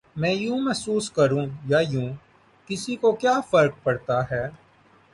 میں یوں محسوس کروں یا یوں، کسی کو کیا فرق پڑتا ہے؟